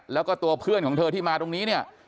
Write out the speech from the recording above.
แล้วก็ตัวเพื่อนของเธอที่มาตรงนี้เนี่ย